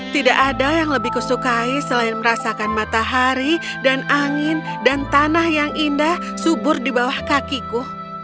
tidak ada yang lebih kusukai selain merasakan matahari dan angin dan tanah yang indah subur di bawah kakiku